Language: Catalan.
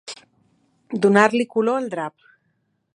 Donar-li color al drap.